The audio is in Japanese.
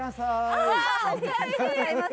ありがとうございます。